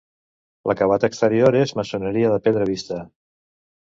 L'acabat exterior és maçoneria de pedra vista.